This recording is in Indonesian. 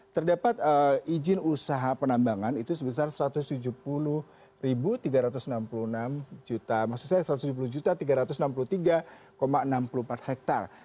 terdapat izin usaha penambangan itu sebesar rp satu ratus tujuh puluh tiga ratus enam puluh enam tiga ratus enam puluh tiga enam puluh empat hektare